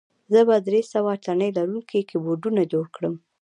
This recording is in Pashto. زه به درې سوه تڼۍ لرونکي کیبورډونه جوړ کړم